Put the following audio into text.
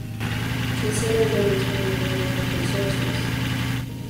Consider many tiny radioactive sources.